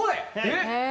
えっ？